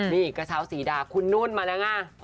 นี่กระเช้าสีดาคุณนุ่นมาแล้วไง